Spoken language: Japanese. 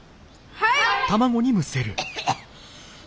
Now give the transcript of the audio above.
はい。